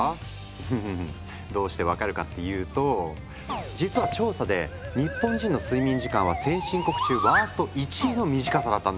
うんうんうんどうして分かるかっていうと実は調査で日本人の睡眠時間は先進国中ワースト１位の短さだったんです。